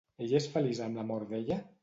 Ell és feliç amb l'amor d'ella?